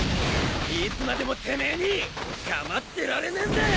いつまでもてめぇに構ってられねえんだよ！